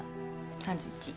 ３１。